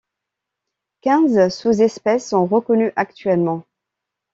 Quinze sous-espèces sont reconnues actuellement.